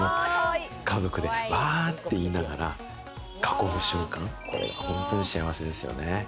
家族でわって言いながら囲む瞬間、これが本当に幸せですよね。